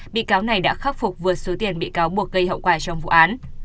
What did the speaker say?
bị cáo này đã khắc phục vượt số tiền bị cáo buộc gây hậu quả trong vụ án